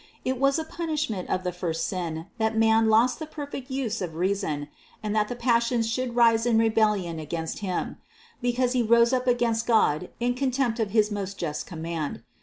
It was a punishment of the first sin that man lost the perfect use of reason, and that the passions should rise in rebellion against him, because he rose up against God in contempt of his most just command.